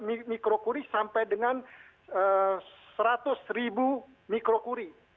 sampai mikro kuri sampai dengan seratus ribu mikro kuri